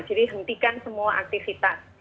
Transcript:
jadi hentikan semua aktivitas